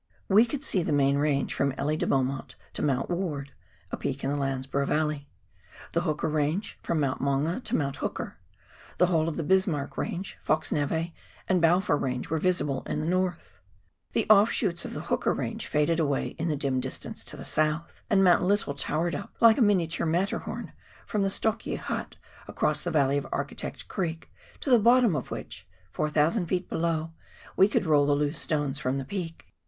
We could see the main range from Elie de Beaumont to Mount Ward — a peak in the Landsborough Valley ; the Hooker Range from Mount Maunga to Mount Hooker. The whole of the Bismarck Range, Fox nhe, and Balfour range were visible in the north ; the offshoots of the Hooker range faded away in the dim distance to the south, and Mount Lyttle towered up, like a miniature Matterhorn, from the Stockje hut, across the valley of Architect Creek, to the bottom of which, 4,000 ft. below, we could roll the loose stones from the peak.